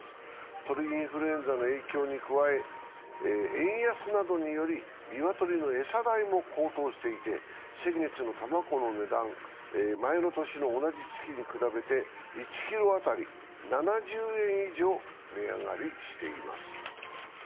鳥インフルエンザの影響に加え、円安などにより鶏の餌代も高騰していて先月の卵の値段、前の年の同じ月に比べて１ｋｇ当たり７０円以上値上がりしてます。